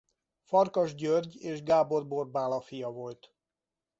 Farkas György és Gábor Borbála fia volt.